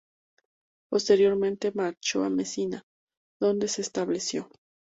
Posteriormente marchó a Mesina, donde se estableció.